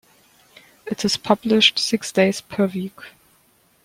It is published six days per week.